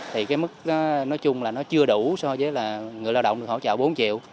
thì cái mức nói chung là nó chưa đủ so với là người lao động được hỗ trợ bốn triệu